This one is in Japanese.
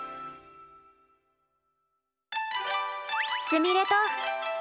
すみれと。